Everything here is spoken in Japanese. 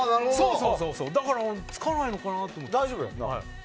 だから、つかないのかなと思って。